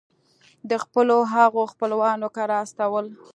د خپلو هغو خپلوانو کره استول.